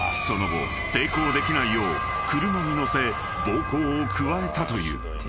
［その後抵抗できないよう車に乗せ暴行を加えたという］